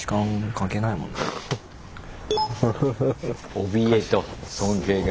おびえと尊敬が。